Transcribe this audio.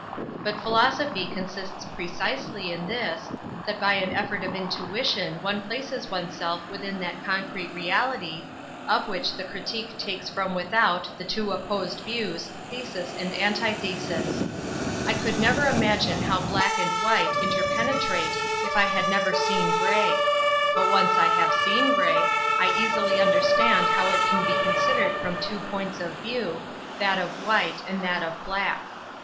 Bnf ' philosophy consists precisely in this, that by an effort of intuition one places oneself within that concrete reality, of which l Critique takes from without the two < posed views, thesis and antithesis, 1 con] never imagine how black and white inti penetrate if I had never seen gray ; bot I once I have seen gray I easily understand how it can be considered from two points of view, that of white and that of black.